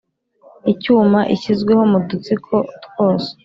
icyuma ishyizweho mu dutsiko twose